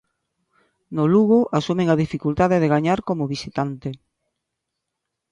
No Lugo asumen a dificultade de gañar como visitante.